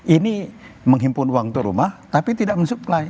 ini menghimpun uang untuk rumah tapi tidak mensupply